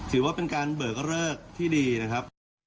ถือว่าเป็นการเบิกเลิกที่ดีนะครับ